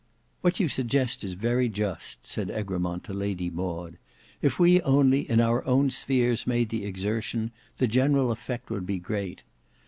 "What you suggest is very just," said Egremont to Lady Maud. "If we only in our own spheres made the exertion, the general effect would be great.